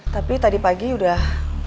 tapi tadi pagi udah